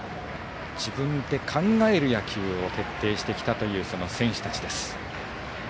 自分で考える野球を徹底してきたという選手たちです。